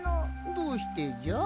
どうしてじゃ？